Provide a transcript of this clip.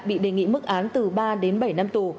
bị đề nghị mức án từ ba đến bảy năm tù